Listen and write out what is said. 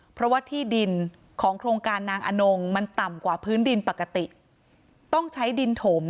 เพราะว่าที่ดินของโครงการนางอนงมันต่ำกว่าพื้นดินปกติ